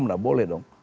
tidak boleh dong